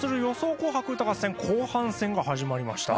紅白歌合戦後半戦が始まりました。